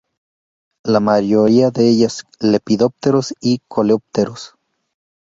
La mayoría de ellas, lepidópteros y coleópteros.